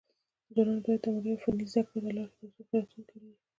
ځوانان بايد علمي او فني زده کړو ته لاړ شي، ترڅو ښه راتلونکی ولري.